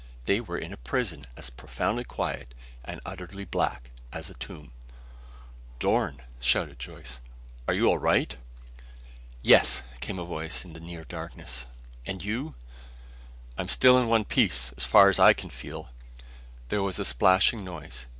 They were in a prison as profoundly quiet and utterly black as a tomb. "Dorn," shouted Joyce. "Are you all right?" "Yes," came a voice in the near darkness. "And you?" "I'm still in one piece as far as I can feel." There was a splashing noise.